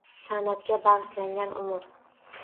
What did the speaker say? San’atga bag‘ishlangan umr